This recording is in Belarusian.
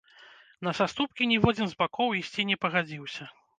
На саступкі ніводзін з бакоў ісці не пагадзіўся.